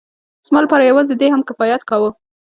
زما لپاره يوازې دې هم کفايت کاوه.